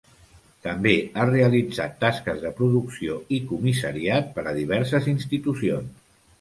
També ha realitzat tasques de producció i comissariat per a diverses institucions.